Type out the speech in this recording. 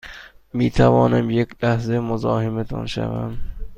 می توانم یک لحظه مزاحمتان شوم؟